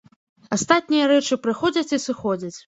Астатнія рэчы прыходзяць і сыходзяць.